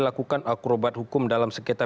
lakukan akrobat hukum dalam sekitar